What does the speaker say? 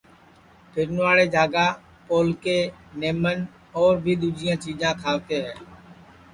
پھیرنواڑے جھاگا پولکے، نمن اور بھی دؔوجیاں چیجاں کھاوتے ہے